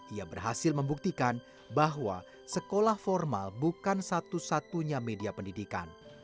ia berhasil membuktikan bahwa sekolah formal bukan satu satunya media pendidikan